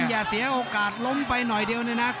อย่าเสียโอกาสล้มไปหน่อยเดียวเนี่ยนะ